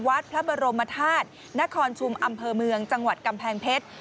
วัดพระบรมธาตุนครชุมอำเภอเมืองจังหวัดกำแพงเพชร